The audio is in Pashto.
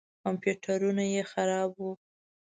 کمپیوټرونه یې خراب وو.